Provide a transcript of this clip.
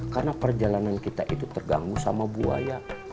karena perjalanan kita itu terganggu sama buaya